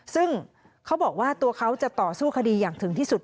ซึ่งเขาบอกว่าตัวเขาจะต่อสู้คดีอย่างถึงที่สุด